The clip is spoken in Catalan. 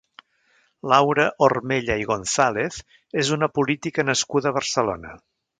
Laura Ormella i González és una política nascuda a Barcelona.